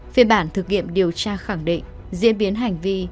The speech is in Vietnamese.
phiên bản thực nghiệm điều tra khẳng định diễn biến hành vi